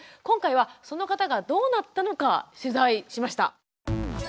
今回はその方がどうなったのか取材しました。